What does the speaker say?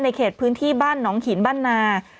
เขตพื้นที่บ้านหนองหินบ้านนา